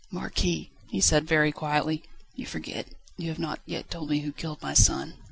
"Marquis," he said very quietly, "you forget you have not yet told me who killed my son."